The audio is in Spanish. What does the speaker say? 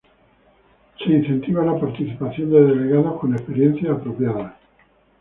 Se incentiva la participación de delegados con experiencia apropiada.